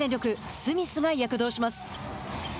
スミスが躍動します。